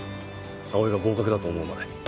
葵が合格だと思うまで。